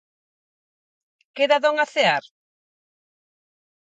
queda Don a cear?